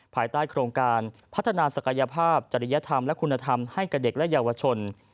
ภายใต้โครงการพัฒนาศักยภาพจริยธรรมและคุณธรรมให้กับเด็กและเยาวชน